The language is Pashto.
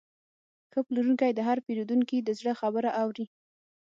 ښه پلورونکی د هر پیرودونکي د زړه خبره اوري.